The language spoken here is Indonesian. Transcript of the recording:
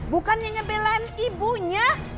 bukannya ngebelain ibunya